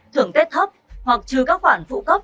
thưởng tết thấp hoặc trừ các khoản phụ cấp